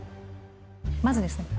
まずですね